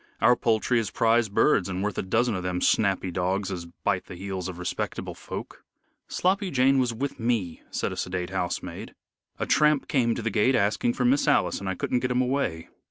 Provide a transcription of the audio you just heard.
"Our poultry is prize birds and worth a dozen of them snappy dogs as bite the heels of respectable folk." "Sloppy Jane was with me," said a sedate housemaid. "A tramp came to the gate asking for Miss Alice, and I couldn't get him away."